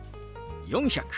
「４００」。